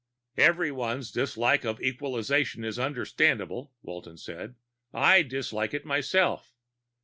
"Everyone's dislike of equalization is understandable," Walton said. "I dislike it myself.